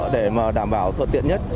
để đảm bảo thuận tiện nhất